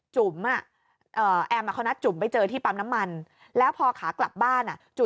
จุ๋มแอมเขานัดจุ๋มไปเจอที่ปั๊มน้ำมันแล้วพอขากลับบ้าน